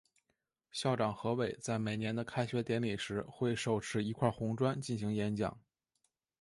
校长何伟在每年的开学典礼时会手持一块红砖进行演讲。